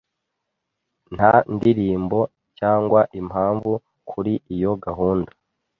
Nta ndirimbo cyangwa impamvu kuri iyo gahunda.